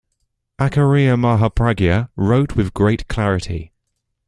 Acharya Mahapragya wrote with great clarity.